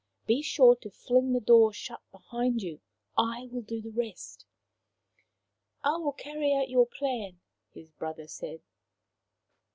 Be sure to fling the door shut behind you. I will do the rest." " I will carry out your plan/' his brother said.